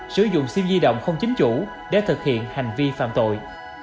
sử dụng sim di động không chính chủ để thực hiện hành vi phạm tội